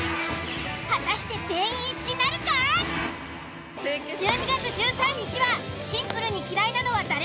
果たして１２月１３日はシンプルに嫌いなのは誰？